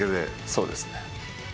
そうですね。